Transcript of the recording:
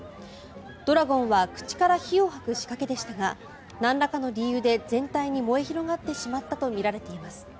ドラゴンは口から火を吐く仕掛けでしたがなんらかの理由で全体に燃え広がってしまったとみられています。